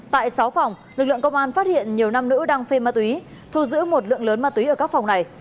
tại sáu phòng lực lượng công an phát hiện nhiều nam nữ đang phê ma túy thu giữ một lượng lớn ma túy ở các phòng này